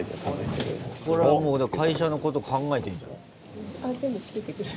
これはもう会社のこと考えてんじゃない？